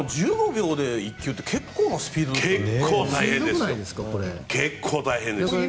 １５秒で１球って結構なスピードですよね。